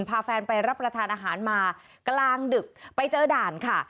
พาแฟนไปรับประทานอาหารมากลางดึกไปเจอด่านค่ะ